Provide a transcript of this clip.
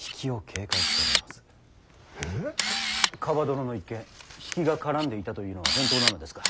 蒲殿の一件比企が絡んでいたというのは本当なのですか。